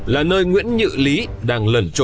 là nơi nguyễn nhự lý đang lẩn trốn